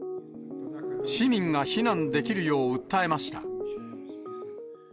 市民が避難できるよう訴えました。